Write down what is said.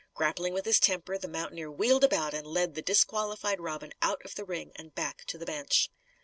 Grappling with his temper, the mountaineer wheeled about and led the disqualified Robin out of the ring and back to the bench.